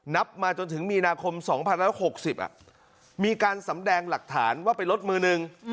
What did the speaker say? นับมาจนถึงมีนาคม๒๑๖๐มีการสำแดงหลักฐานว่าเป็นรถมือหนึ่ง